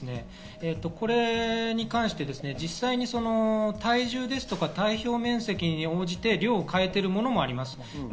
これに関して実際に体重ですとか体表面積に応じて量を変えているものもあります。